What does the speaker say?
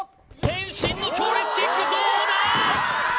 天心の強烈キックどうだ！？